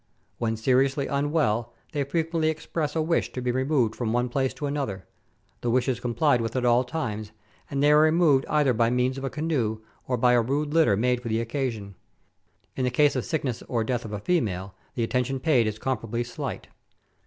When seriously unwell, they frequently express a wish to be removed from one place to another ; the wish is Letters from Victorian Pioneers. 273 complied with at all times, anil they are removed either by means of a canoe or by a rude litter made for the occasion. In the case of sickness or death of a female, the attention paid is compara tively slight.